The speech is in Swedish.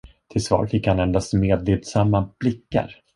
Till svar fick han endast medlidsamma blickar.